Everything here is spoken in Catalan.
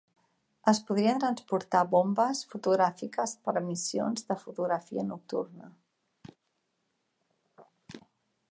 Es podrien transportar bombes fotogràfiques per a missions de fotografia nocturna.